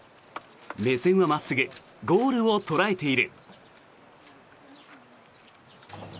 目線は真っすぐゴールを捉えている。